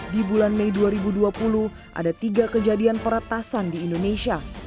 di bulan mei dua ribu dua puluh ada tiga kejadian peretasan di indonesia